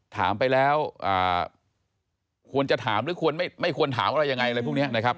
ถามไปแล้วควรจะถามหรือควรไม่ควรถามอะไรยังไงอะไรพวกนี้นะครับ